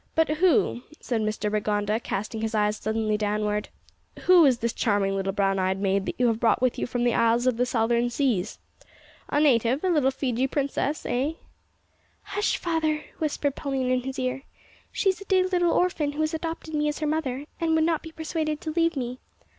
"But who," said Mr Rigonda, casting his eyes suddenly downward, "who is this charming little brown eyed maid that you have brought with you from the isles of the southern seas? A native a little Fiji princess eh?" "Hush! father," whispered Pauline in his ear, "she's a dear little orphan who has adopted me as her mother, and would not be persuaded to leave me.